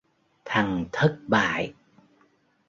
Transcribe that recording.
thằng thất bại